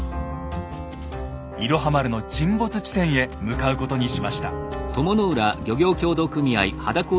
「いろは丸」の沈没地点へ向かうことにしました。